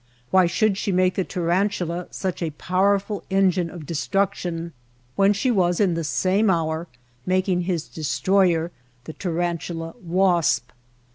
Why should she make the tarantula such a powerful engine of destruction when she was in the same hour making his destroyer, the tarantula wasp